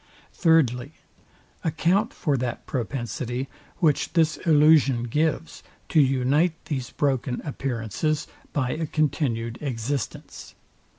Thirdly, Account for that propensity, which this illusion gives, to unite these broken appearances by a continued existence.